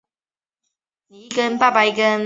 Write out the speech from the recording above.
当地最著名的巨岩是山羊岩。